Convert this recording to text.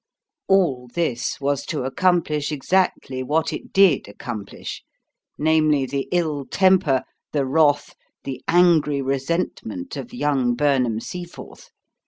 All this was to accomplish exactly what it did accomplish, namely, the ill temper, the wrath, the angry resentment of young Burnham Seaforth.